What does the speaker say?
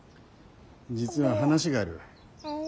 実は話がある。